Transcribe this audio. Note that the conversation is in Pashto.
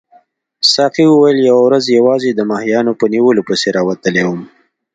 ساقي وویل یوه ورځ یوازې د ماهیانو په نیولو پسې راوتلی وم.